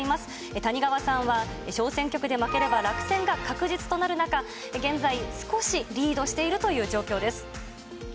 谷川さんは小選挙区で負ければ落選が確実となる中、現在、少しリードしているという状況です。